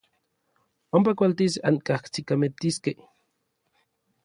Ompa kualtis ankajsikamatiskej.